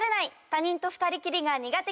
他人と２人きりが苦手